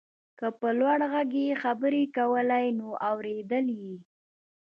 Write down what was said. که په لوړ غږ يې خبرې کولای نو اورېده يې.